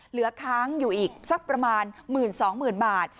เหลือค้างอยู่อีกสักประมาณ๑๒๐๐๐บาท